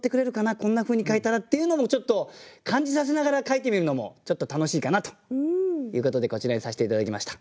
こんなふうに書いたらっていうのもちょっと感じさせながら書いてみるのもちょっと楽しいかなということでこちらにさせて頂きました。